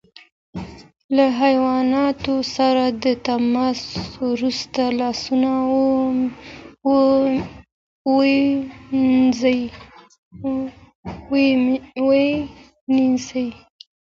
له حیواناتو سره د تماس وروسته لاسونه ووینځئ.